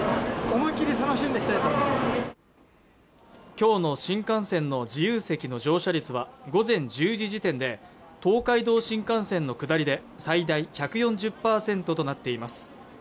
今日の新幹線の自由席の乗車率は午前１０時時点で東海道新幹線の下りで最大１４０％となっています